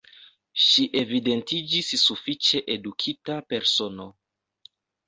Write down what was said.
Ŝi evidentiĝis sufiĉe edukita persono.